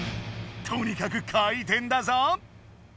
とにかく回転だぞ！